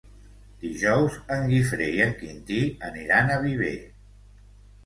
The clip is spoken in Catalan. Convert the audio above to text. Dijous en Guifré i en Quintí aniran a Viver.